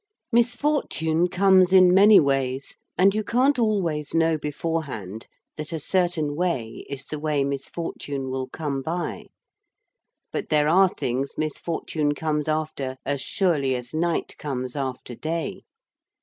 Misfortune comes in many ways, and you can't always know beforehand that a certain way is the way misfortune will come by: but there are things misfortune comes after as surely as night comes after day.